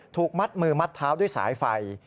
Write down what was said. ถูกมัดมือมัดเท้าด้วยสายไฟ